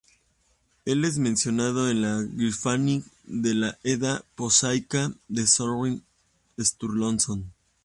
Él es mencionado en la "Gylfaginning" de la Edda prosaica de Snorri Sturluson.